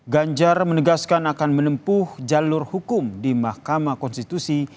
ganjar menegaskan akan menempuh jalur hukum di mahkamah konstitusi